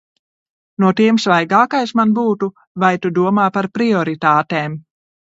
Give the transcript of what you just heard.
No tiem svaigākais man būtu – vai tu domā par prioritātēm?